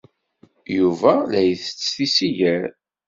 Yuba la isett tisigar.